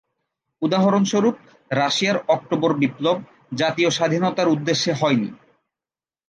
উদাহরণস্বরূপ রাশিয়ার অক্টোবর বিপ্লব, জাতীয় স্বাধীনতার উদ্দেশ্যে হয়নি।